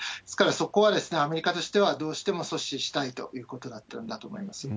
ですから、そこはアメリカとしてはどうしても阻止したいということだったん